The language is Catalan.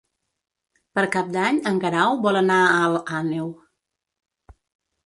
Per Cap d'Any en Guerau vol anar a Alt Àneu.